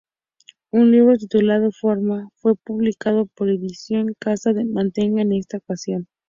Un libro titulado "Forma" fue publicado por Edizioni Casa del Mantegna en esta ocasión.